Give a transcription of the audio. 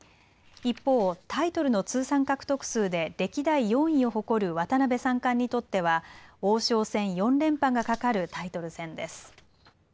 一方、タイトルの通算獲得数で歴代４位を誇る渡辺三冠にとっては王将戦４連覇がかかるタイトル戦です。